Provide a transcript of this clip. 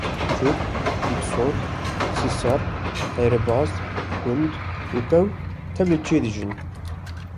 çik, dîksor, sîsark, teyrê baz, kund û kew tev li çiyayê dijîn